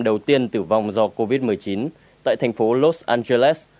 đầu tiên tử vong do covid một mươi chín tại thành phố los angeles